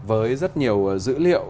với rất nhiều dữ liệu